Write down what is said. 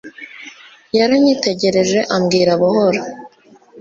yaranyitegereje ambwira buhoro